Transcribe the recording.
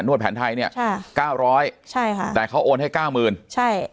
วดแผนไทยเนี่ยใช่เก้าร้อยใช่ค่ะแต่เขาโอนให้เก้าหมื่นใช่